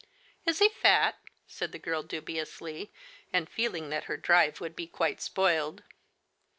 " Is he fat ?" said the girl dubiously, and feel ing that her drive would be quite spoiled.